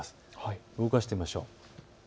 動かしてみましょう。